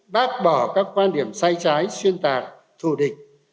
bác bỏ các quan điểm sai trái xuyên tạc thù địch